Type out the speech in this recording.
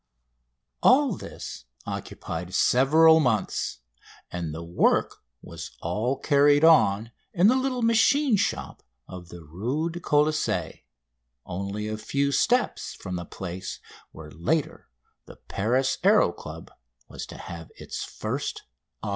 All this occupied several months, and the work was all carried on in the little machine shop of the Rue du Colisée, only a few steps from the place where later the Paris Aéro Club was to have its first offices.